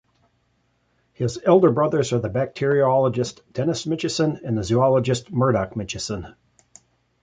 His elder brothers are the bacteriologist Denis Mitchison and the zoologist Murdoch Mitchison.